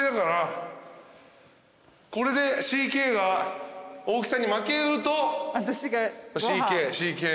これでＣＫが大木さんに負けるとＣＫご飯。